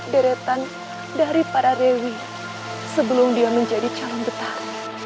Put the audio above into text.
deretan dari para rewi sebelum dia menjadi calon betah